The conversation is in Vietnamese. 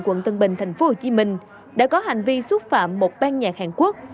quận tân bình tp hcm đã có hành vi xúc phạm một ban nhạc hàn quốc